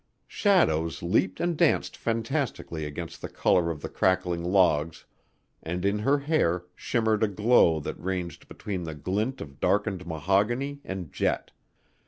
Shadows leaped and danced fantastically against the color of the crackling logs and in her hair shimmered a glow that ranged between the glint of darkened mahogany and jet.